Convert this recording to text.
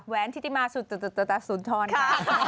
แว้นทิติมาสุดท้อนค่ะ